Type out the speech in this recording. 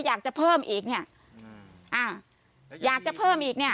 อยากจะเพิ่มอีกเนี่ยอ่าอยากจะเพิ่มอีกเนี้ย